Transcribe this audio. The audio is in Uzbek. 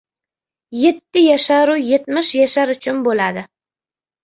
Yetti yashar-u, yetmish yashar uchun bo‘ladi.